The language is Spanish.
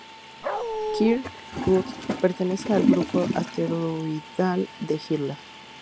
Kirkwood pertenece al grupo asteroidal de Hilda.